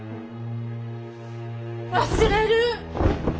忘れる！